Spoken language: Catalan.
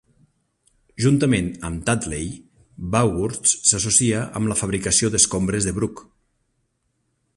Juntament amb Tadley, Baughurst s'associa amb la fabricació d'escombres de bruc.